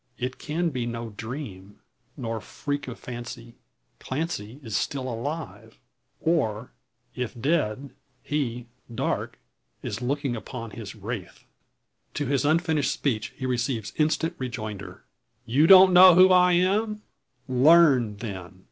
It can be no dream, nor freak of fancy. Clancy is still alive; or if dead he, Darke, is looking upon his wraith! To his unfinished speech he receives instant rejoinder: "You don't know who I am? Learn then!